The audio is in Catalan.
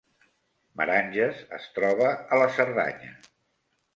Meranges es troba a la Cerdanya